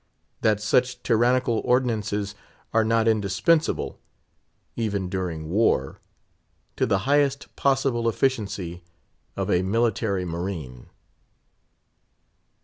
That such tyrannical ordinances are not indispensable—even during war—to the highest possible efficiency of a military marine.